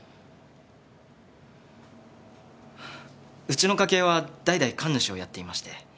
うちの家系は代々神主をやっていまして。